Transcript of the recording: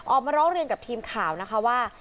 ออกมาร้องเรียนกับทีมข่าวนะคะว่า